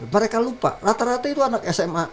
mereka lupa rata rata itu anak sma